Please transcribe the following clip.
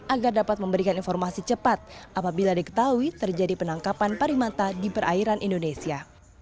agar dapat memberikan informasi cepat apabila diketahui terjadi penangkapan parimanta di perairan indonesia